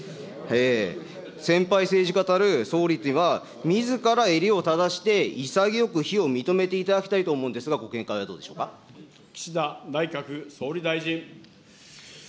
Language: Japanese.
先輩政治家たる総理というのは、みずから襟を正して、潔く非を認めていただきたいと思うんですが、岸田内閣総理大臣。